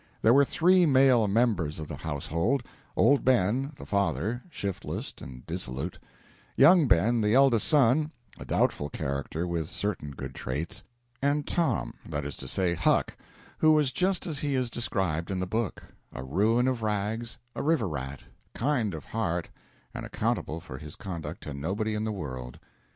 There were three male members of the household: Old Ben, the father, shiftless and dissolute; young Ben, the eldest son a doubtful character, with certain good traits; and Tom that is to say, Huck, who was just as he is described in the book a ruin of rags, a river rat, kind of heart, and accountable for his conduct to nobody in the world.